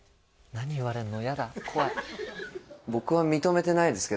何言われるの？